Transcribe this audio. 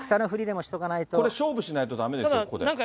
これ、勝負しないとだめですなんか